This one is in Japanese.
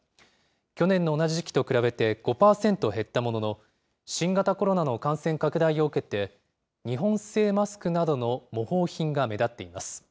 去年の同じ時期と比べて５％減ったものの、新型コロナの感染拡大を受けて、日本製マスクなどの模倣品が目立っています。